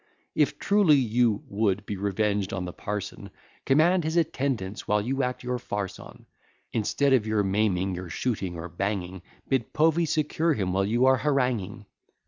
If truly you [would] be revenged on the parson, Command his attendance while you act your farce on; Instead of your maiming, your shooting, or banging, Bid Povey secure him while you are haranguing.